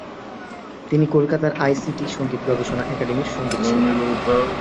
তিনি কলকাতার আইটিসি সংগীত গবেষণা একাডেমির সংগীতশিল্পী।